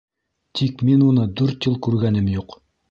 Тик мин уны дүрт йыл күргәнем юҡ.